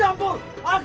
jangan lupa anakku